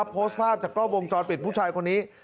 โพสต์ภาพจากกล้องวงจรปิดผู้ชายคนนี้